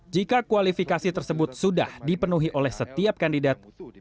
jika kualifikasi tersebut sudah dipenuhi oleh setiap kandidat